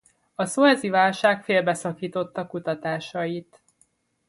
A szuezi válság félbeszakította kutatásait.